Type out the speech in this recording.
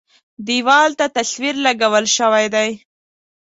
دېوال ته تصویر لګول شوی دی.